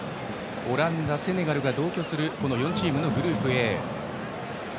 オランダ、セネガルが同居する４チームのグループＡ。